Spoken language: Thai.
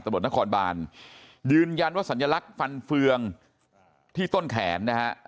ตำรวจนครบานยืนยันว่าสัญลักษณ์ฟันเฟืองที่ต้นแขนนะฮะ